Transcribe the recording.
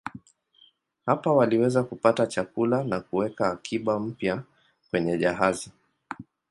Hapa waliweza kupata chakula na kuweka akiba mpya kwenye jahazi.